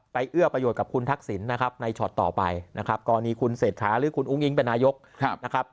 เอื้อประโยชน์กับคุณทักษิณนะครับในช็อตต่อไปนะครับกรณีคุณเศรษฐาหรือคุณอุ้งอิ๊งเป็นนายกนะครับ